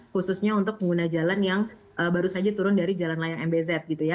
khususnya untuk pengguna jalan yang baru saja turun dari jalan layang mbz gitu ya